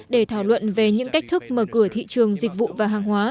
để thảo luận về những cách thức mở cửa